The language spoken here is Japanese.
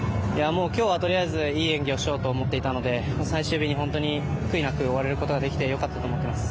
今日はとりあえずいい演技をしようと思っていたので最終日に、本当に悔いなく終わることができて良かったと思います。